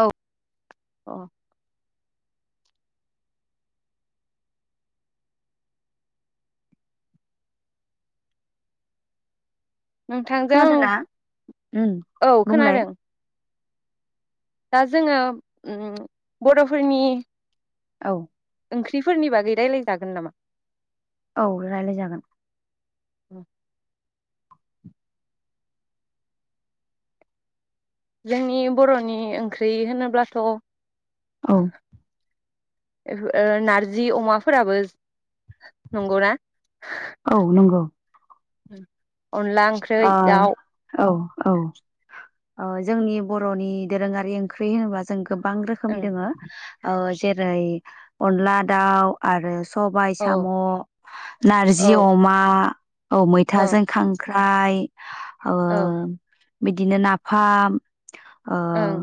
औ। अ नोंथांजों खोनादों ना? उम औ बुंलाय खोनादों। दा जोङो ओम बर'फोरनि औ ओंख्रिफोरनि बागै रायलायजागोन नामा? औ रायलाय जागोन। औ [inaudible] जोंनि बर'नि ओंख्रै होनोब्लाथ औ। ओ नारजि अमाफोराबो नंगौना? औ नंगौ। [inaudible] अनला ओंख्रै ओ दाउ। औ औ जोंनि बरनि दोरोङारि ओंख्रि होनोबा जों गोबां रोखोमनि ओं दोङो जेरै अनला दाउ आरो सबाय साम औ नारजि औ अमा औ मैथाजों खां। ओमफाय ओ। औ बिदिनो नाफाम ओ ओं।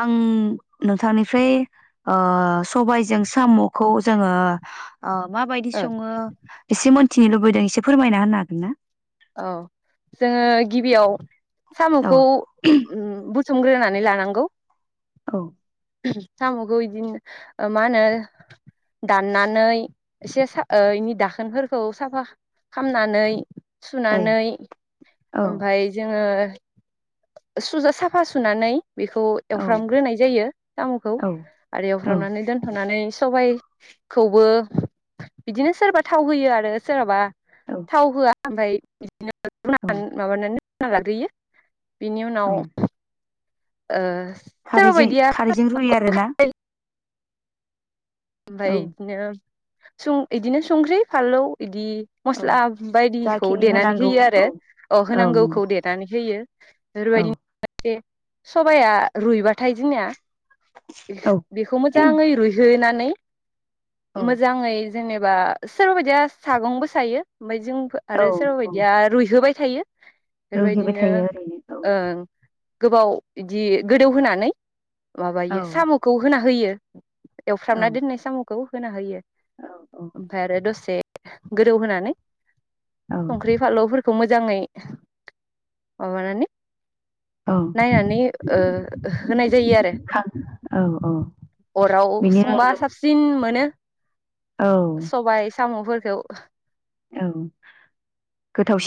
आं नोंथांनिफ्राय ओ। सबायजों सामखौ जोङो आ माबायदि ओं सङो एसे मोन। थिनो लुबैदों एसे फोरमायना होनो हागोन ना? औ जोङो गिबियाव औ सामखौ ओम संग्रोनानै लानांगौ औ। सामखौ इदिनो मा होनो दाननानै एसे सा ओ इनि दाखोनफोरखौ साफा खामनानै ओइ सुनानै औ ओमफाय जोङो सुजा साफा सुनानै बेखौ औ एवफ्रामग्रोनाय जायो सामखौ औ आरो औ एवफ्रामनानै दोनथनानै सबायखौबो बिदिनो सोरबा थाव होयो आरो सोरहाबा थाव होआ ओमफ्रा [inaudible] य बि औ [inaudible] माबानानै होना लाग्रोयो। बिनि उनाव औ ओ सोरबा खारैजों बायदिया खारैजों रुयो आरोना? औ बायदिनोब सौ इदिनो संख्रि फानलौ इदि औ मस्ला बायदिखौ जाखिनि देनानै होनांगौ होयो आरो औ अ औ नंगौ होनांगौखौ देनानै होयो औ बेफोरबायदिनो [unintelligible] से सबाया रुइबाथाय दुनिया बेख औ बेखौ मोजाङै रुइहोनानै औ मोजांङै जेनेबा सोरबा बायदिया सागंबो सायो। ओमफाय जों औ आरो सोरबा औ बायदिया रुइहोबाय थायो। रुहैबाय बेफोरबायदिनो थायो ओरैनो ओं। गोबाव इदि गोदौहोनानै औ माबायो साम'खौ होना होयो। [inaudible] औ एवफ्रामना दोन साम'खौ होना होयो। औ ओमफ्राय आरो दसे गोदौ होनानै औ संख्रि फानलौफोरखौ मोजाङै माबानानै औ नायनानै ओ होनाय जायो आरो खां औ औ अराव बिनि संबा उनावनो साबसि सिन मोनो औ सबाय, साम' फोरखौ। औ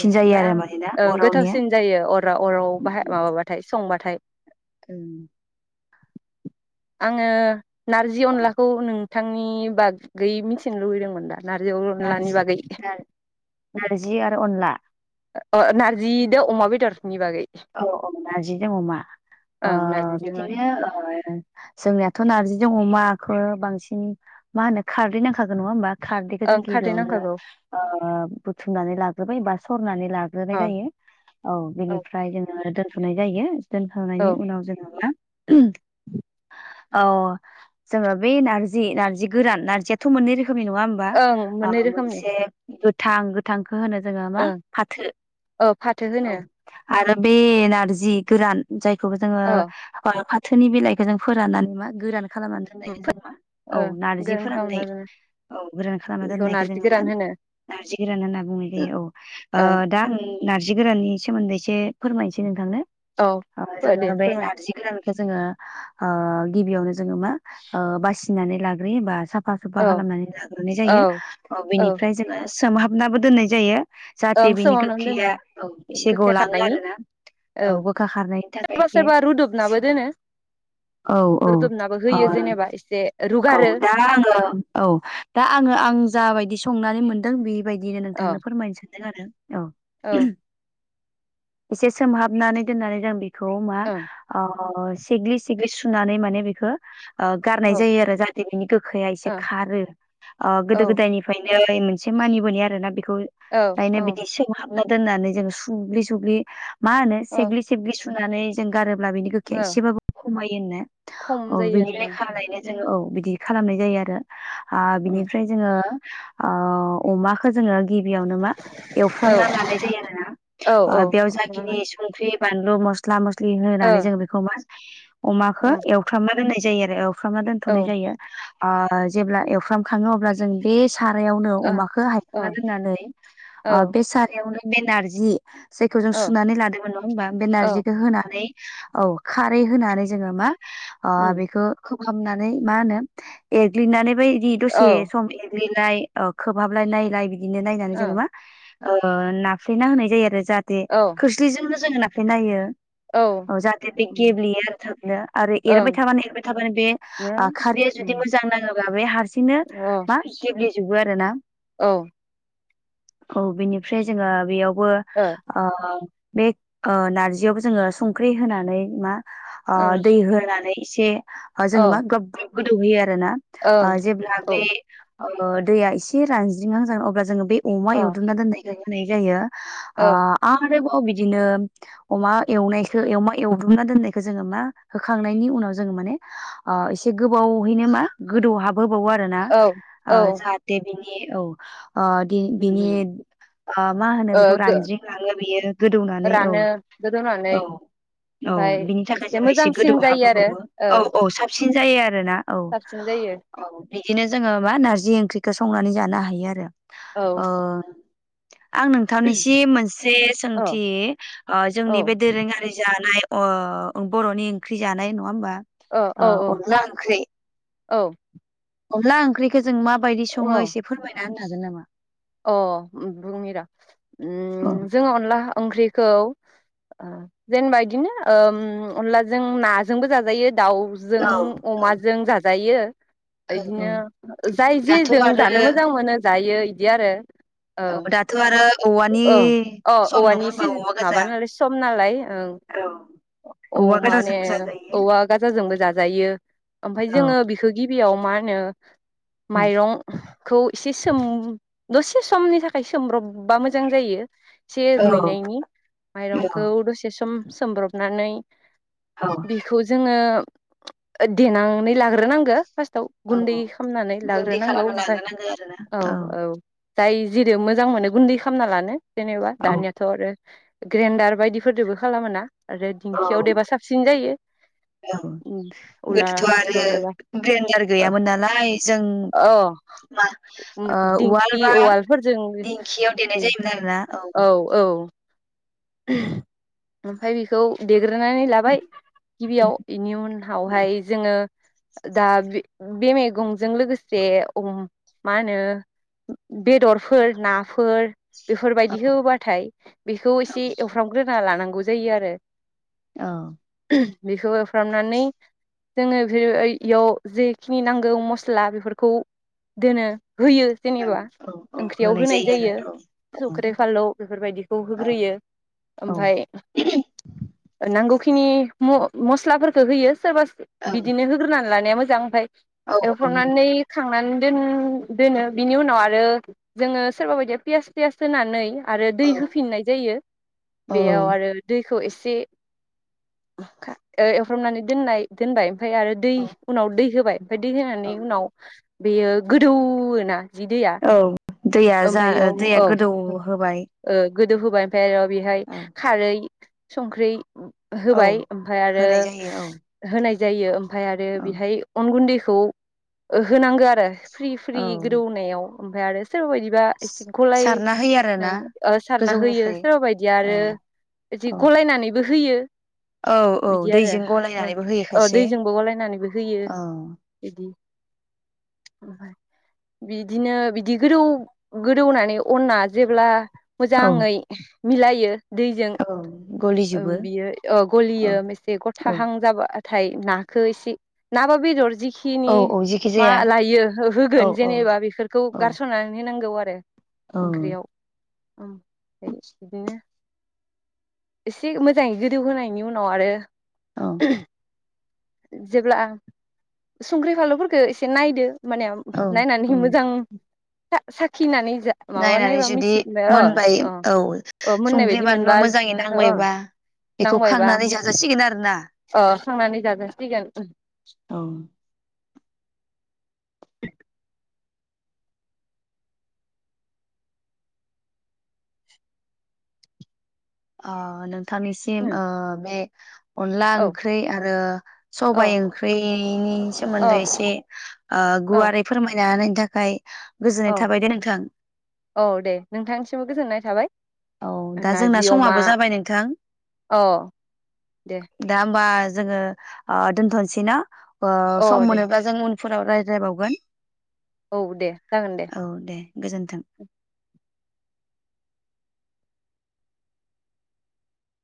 दे जायो ओमबा आरो आं मानोना ओं अरावनिया गोथावसिन जायो अरा अराव बाहाय माबाबाथाय संबा थाय ओं आङो नारजि औ अनलाखौ नों बिथांनि बागै मिथिनो लुुबैदोंमोन दा। नारजि अनलानि नारजि बागै नार नारजि आरो अनला। अ नारजि दो अमा बेदर। औ औ नारजि जों अमा ओ ओं नारजिजों बिदिनो ओ जोंनियाथ' नारजि अमा। खौ बांसिन मा होनो खारदैनांखागोन नङा होमबा। खारदैखौ जों ओं खारदै गिबियावनो नांखागौ ओ बुथुमनानै लाग्रोबाय बा सरनानै लाग्रोनाय अ जायो औ बेनि। ओ दोनथ'नाय जायो। दोनखांनायनि उनाव जोङो मा। [inaudible] ओ जोङो बे नारजि नारजि गोरान नारजियाथ' मोनै रो खोमनि नङा होमबा ओं ओ मोननै रोखोमनि मोनसे गो थां गोथां। खो होनो जोङो मा ओं फाथो औ फाथो औ। होनो आरो बे नारजि गोरान जाय खौ जोङो अ [inaudible] थोनि बिलाइखौ जों फोराननानै मा गोरान। खालामनानै दोननायखौ जोंङो मा औ ओ नारजि गोरान खालामना फोराननाय दोनो औ गोरान खालामना बेखौ दोननायखौ नारजि जोङो मा गोरान होनो नारजि गोरान होनना बुंनाय जायो औ ओ ओं दा आं नारजि गोराननि सोमोन्दै। एसे फोरमायसै नोंथांनो। औ अ फो जोङो दे बे फोरमाय नारजि गोरान खो जोङो ओ गिबियावनो जोङो मा ओ बासिनानै लाग्रोयो बा साब फा सुफा औ खालामनानै लाग्रोनाय जायो औ औ बेनिफ्राय जोङो। सोमहाबनाबो दोननाय जायो। जाहाथे बिनि गोखैया औ एसे गलां नायनि औ थाखाय सोरबा सोरबा एसे रुदबनाबो दोनो औ औ रुदबनाबो अ होयो जेनेबा एसे। औ रुगारो दा आङो औ दा आङो आं जाबायदि सं नानै मोनदों बे बायदिनो औ नोंथांनो फोरमायसै। [inaudible] औ। एसे सोमहाबनानै दोननानै जों बे खौ मा ओं ओ। ओ सेग्लि सेग्लि सुनानै माने बेखौ ओ औ जायो आरो जाहाथे बिनि गोखाया एसे ओं खारो ओ औ गोदो गोदायनिफ्रायनो। [unintelligible] मोनसे मानिबोनाय आरो ना बि ख्रुइ औ नायनो औ बिदि सिं हाब। ना दोन्नानै जों सुग्लि सुग्लि मा होनो औ सेग्लि सेग्लि सु सुनानै जों गारोब अब्ला बिनि गोखाया औ एसेबाबो खमायोनो अ खम जायो बिनि होनदों लेखा लायनो जोङो औ बिदि खालामनाय जायो आरो आ ओं बिनिफ्राय जोङो ओ अमाखो जोङो गिबियावनो मा ओं एवफ्रामना लानाय जायो आरो ना औ औ ओ बेयाव जाखिनि संख्रि बानलु मसला मस दै औ होनानै जों बेखौ मा [inaudible] अमाखो ओ एवफ्रामना दोननाय जायो आरो एवफ्रामना थ'नाय ओं जायो ओ जेब्ला एवफ्राम खाङो अब्ला जों बे सारायावनो अमाखो औ हायखांना दोननानै ओं ओ बे सारायावनो बे नारजि जेखौ जों औ औ सुनानै लादोंमोन नङा हमबा बे औ नारजिखो होनानै औ खारै होनानै जोङो मा? अ उम बेखौ खोब [unintelligible] नै मा होनो एग्लिनानै बैदि औ दसे ओं सम [unintelligible] एग्लिनाय ओ खोबहाबलाय नायलाय बि बिदिनो नायनानै औ जोङो मा ओ नाफ्लेना होनाय जायो आरो जाहाथे औ खोस्लिजोंनो जोङो नाफ्लेना होयो। ओं औ जाहाथे बे गेब्लेयो आरो थाबैनो आरो ओं एरबाय थाबानो एरबाय थाबानो बे नो ओ खारैया जुदि उम मोजां नाङोब्ला बे हारसिंनो अ मा गेब्ले जोबो आरो ना औ औ बेनिफ्राय जोङो बेयाव [unintelligible] ओ बेख ओ नारजियावबो जोङो संख्रि होनानै मा ओ ओं दै होनानै से औ जोङो मा ग्लब ग गोदौहोयो आर रोना ओं ओ जेब्ला औ बे ओ दैया एसे रानज्रिङहां जाबा अब्ला जोङो बे अमा ओ एवदबना दोन्नाय जों होनाय जायो औ ओ आर रोबाव बिदिनो अमा एवनायखौ एमा एवदबना दोननायखौ जोङो मा होखांनायनि उनाव जोङो माने ओ एसे गोबावहैनो मा गोदौहाब होबावो आरोना ओ औ जाहाथे बिनि ए औ ओ दि बिनि उम ओ मा होनो ओ बेखौ गो रानज्रिंलाङो बेयो गोदौनानै औ रानो गोदौनानै औ औ ओमफाय बिनि थाखाय जोङो एसे मोजांसिन गोदौहाब जायो आरो होबावो। ओ औ औ साबसिन जायो आरोना औ साबसिन जायो औ बिदिनो जोङो मा नारजि ओंख्रिखौ संनानै जानो हायो आरो औ ओ आं नोंथांनिसिम मोनसे अ सोंथि ओ औ जोंनि बे दोरोङारि जानाय अओ बर'नि ओंख्रि जानाय नङा होमबा? अ औ ओ अनला ओंख्रि औ अनला ओंख्रिखो ज जों माबायदि सङो औ अ एसे फोरमायना होनो हागोन नामा? अ उम बुंनि र' औ उम जोङो अनला ओंख्रिखौ ओ जेनेबा बिदिनो ओम अनलाजों नाजोंबो जाजायो दाउजों औ अमाजों जाजायो [inaudible] औ इदिनो औ जाय दाथ' जेजों आरो जानो मोजां मोनो दायै दि आरो ओं औ दाथ' आरो औवानि ओ औ सम नङा औवानि होमबा सिजो औवा गोजा माबा नालाय सम नालाय ओं औ औवा औ माने गोजाजोंबो जाजायो औवा गाजाजोंबो जाजायो ओमफाय औ जोङो बेखौ गिबियाव मा मोनो। उम माइरंखौ इसे सोम दसे समनि थाखाय सोमब्रबबा मोजां जायो। एसे औ रुइनायनि माइरंखौ दसे सम। सोमब्रबनानै। औ बेखौ जोङो देनानै लाग्रोनांगोन। फार्स्टआव औ गुन्दै औ खालामनानै गुन्दै लाग्रोनांगौ खालामना ओमफ्राय लाग्रोनांगौ आरो ना औ औ। जाय जेरै मोजां मोनो गुन्दै खालामना लानो। जेनेबा औ दानियाथ आरो ग्रेन्डार बायदिफोरजोंबो खालामोना। औ औ उला गोदोथ' हर आरो देबा ग्रेडार गैयामोन नालाय जों ओ उवाल बा औवालफोरजों दिंखियाव देनाय दे जायोमोन आरोना औ औ। औ। ओमफ्राय बेखौ दे देग्रोनानै लाबाय गिबियाव बेनि उनावहाय जोङो दा बे बे मैगंजों लोगोसे मा होनो बेदरफोर नाफोर बेफोर बायदि होबाथाय बेखौ एसे एसे एवफ्रामग्रोना लानां गौजायो आरो। औ बेखौ एवफ्रामनानै जोङो बेयाव जेखिनि नांगौ मस्ला बेफोरखौ दोनो। होयो औ जेनेबा औ औ ओंख्रियाव होनाय जायो आरो औ सख्रि फालौ बेफोर बायदिखौ होग्रोयो। औ ओमफ्राय नां नांगौखिनि म-मस्लाफोरखौ होयो। सोरबा औ बिदिनो होग्रोनान लानाया मोजां ओमफ्राय औ औ नंगौ एवफ्रामनानै खांनानै दोन-दोनो बिनि उनाव आरो जोङो सोरबा बायदिया पियास टियास होनानै आरो दै औ होफिननाय जायो। बेयाव आरो दै खौ एसे एवफ्रामनानै दोननाय दोननाय दोनबाय। ओमफ्राय आरो दै उनाव दै होबाय। दै होनानै उनाव बेयो गोदौ ना। जिदैया औ दैया जा दैया गोदौ होबाय गोदो होबाय फ्रायेर र बेहाय औ खारै संख्रि औ होबाय ओमफाय आरो होनाय जायो औ होनाय जायो। ओमफ्राय आरो औ बेहाय अन गुन्दै ह खौओ होनांगौ आरो। फ्रि फ्रि औ गोदौनायाव अमफ्राय आरो सं। सोरबा बायदिबा एसे सारना होयो आरोना गलायनानै सारना होयो गोजौनिफ्राय सोरबा बायदिया औ आरो एसे औ गलायनानैबो हो होयो औ औ बिदि आरो दैजों गलायनानैबो होयो ह खायसे दैजोंबो गलायनानैबो होयो औ बिदि ओमफ्राय बिदिनो बि बि गोदौ गोदौनानै अनआ जेब्ला औ मोजाङै मिलायो दैजों औ गलिजोबो बियो अ औ गलियो एसे औ गथाहां जाबा नाथाय नाखो एसे ना बा बेदर जि जिखिनि औ औ जेखि मा जाया लायो औ होगोन जेनेबा बेफोरखौ औ होनो नांगौ आरो। औ। औ। फाय बिदिनो एसे मोजाङै गोदौ होनायनि उनाव आरो। औ। जेब्ला आ संख्रि फालुफोरखौ एसे नायदो माने औ नायनानै औ मोजां सा साखिनानै जा माबा नायनानै नायबा जुदि मिथिबाय अ मोनबाय अ औ ओ मोननाय संख्रि बायदि मोनबा बानलुआ मोजाङै ओ नांबायबा बेखौ खांनानै जाजासिगोन आरो ना। अ खांनानै जाजासिगोन उम [inaudible] अ नों नोंथांनि सिम औ ओ बे अनला औ ओंख्रि आरो सबाय औ ओंख्रिनि सोमोन्दै एसे ओ औ गुवारै फोरमायना होनायनि थाखाय गोजोननाय औ थाबाय दे नोंथां औ दे नोंथांनिसिमबो गोजोननाय थाबाय औ दा जोंना नारजि अमा समाबो जाबाय नोंथां औ दे दा होमबा जोङो अ दोनथ'नोसैना ओ औ सम दे मोनोबा जों उन फोराव रायज्लायबावगोन औ दे जागोन दे गोजोन्थों